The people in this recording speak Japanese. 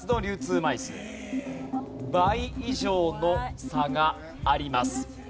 倍以上の差があります。